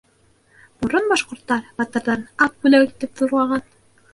— Борон башҡорттар батырҙарын ат бүләк итеп ҙурлаған.